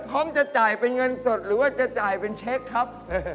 พร้อมจะจ่ายเป็นเงินสดหรือว่าจะจ่ายเป็นเช็คครับ